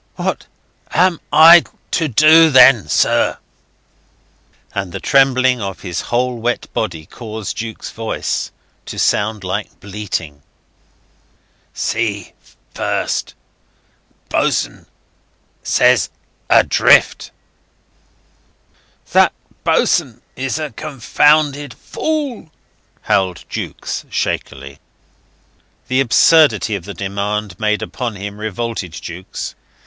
"What am I to do then, sir?" And the trembling of his whole wet body caused Jukes' voice to sound like bleating. "See first ... Boss'n ... says ... adrift." "That boss'n is a confounded fool," howled Jukes, shakily. The absurdity of the demand made upon him revolted Jukes.